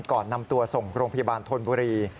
ก่อนนำตัวส่งโรงพยาบาลธนบุรี